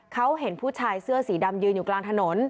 เขาเห็นผู้ชายเสื้อสีดำยืนอยู่กลางถนน